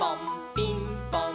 ピンポン！